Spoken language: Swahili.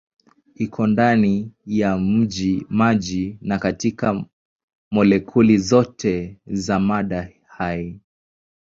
Iko ndani ya maji na katika molekuli zote za mada hai.